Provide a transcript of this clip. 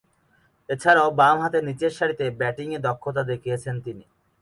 এছাড়াও বামহাতে নিচের সারিতে ব্যাটিংয়ে দক্ষতা দেখিয়েছেন তিনি।